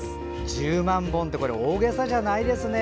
十万本って大げさじゃないですね。